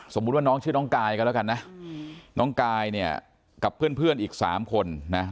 ว่าน้องชื่อน้องกายกันแล้วกันนะน้องกายเนี่ยกับเพื่อนอีก๓คนนะ